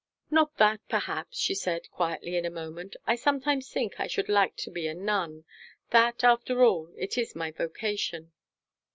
"Not that, perhaps," she said quietly in a moment. "I sometimes think I should like to be a nun, that, after all, it is my vocation.